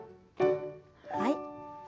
はい。